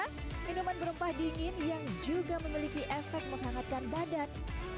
hmmm memang segar ya minuman berempah dingin yang juga memiliki efek menghangatkan badan